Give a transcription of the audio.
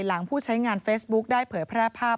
ผู้ใช้งานเฟซบุ๊คได้เผยแพร่ภาพ